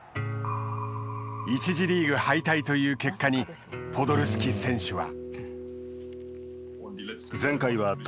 １次リーグ敗退という結果にポドルスキ選手は。